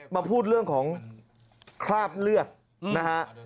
มาพูดเรื่องของคราบเลือดนะฮะ